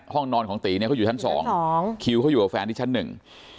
ห้องนอนของตีเนี้ยเขาอยู่ชั้นสองของคิวเขาอยู่กับแฟนที่ชั้นหนึ่ง